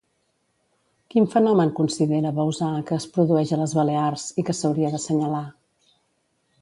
Quin fenomen considera Bauzá que es produeix a les Balears i que s'hauria d'assenyalar?